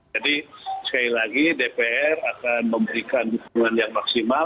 jadi sekali lagi dpr akan memberikan dukungan yang maksimal